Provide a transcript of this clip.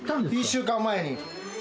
１週間前に。